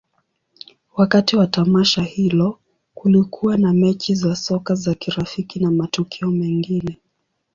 Wakati wa tamasha hilo, kulikuwa na mechi za soka za kirafiki na matukio mengine.